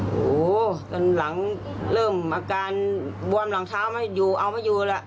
โอ้โหตอนหลังเริ่มอาการบวมหลังเท้าไม่อยู่เอาไม่อยู่แล้ว